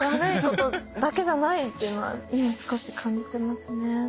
悪いことだけじゃないっていうのは今少し感じてますね。